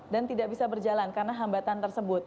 dan tidak bisa berjalan karena hambatan tersebut